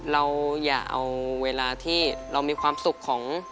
เราอย่าเอาเวลาที่เรามีความสุขของ